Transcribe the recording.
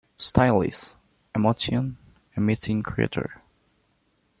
Stylist, emotion emitting creator.